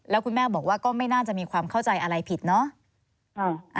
แล้วคุณแม่บอกว่าก็ไม่น่าจะมีความเข้าใจอะไรผิดเนาะ